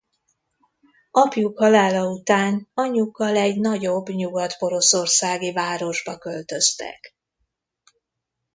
Apjuk halála után anyjukkal egy nagyobb nyugat-poroszországi városba költöztek.